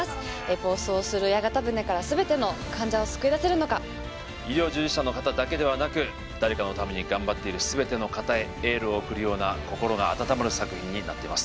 暴走する屋形船から全ての患者を救い出せるのか医療従事者の方だけではなく誰かのために頑張っている全ての方へエールを送るような心が温まる作品になっています